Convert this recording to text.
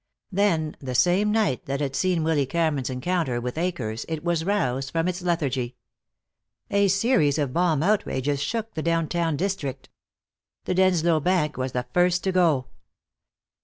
Then, the same night that had seen Willy Cameron's encounter with Akers, it was roused from its lethargy. A series of bomb outrages shook the downtown district. The Denslow Bank was the first to go.